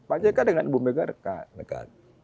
pak jk dengan ibu mega dekat